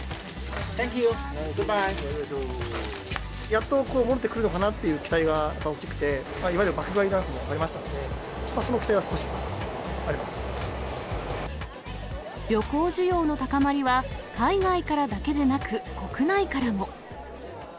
やっと戻ってくるのかなっていう期待は大きくて、いわゆる爆買いなんかもありましたので、旅行需要の高まりは、海外からだけでなく、国内からも。